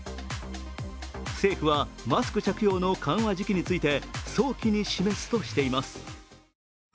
政府はマスク着用の緩和時期について早期に示すとしています。